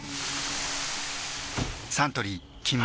サントリー「金麦」